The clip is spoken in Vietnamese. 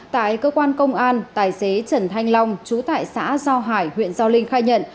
tại cơ quan công an tài xế trần thanh long chú tại xã do hải huyện do linh khai nhận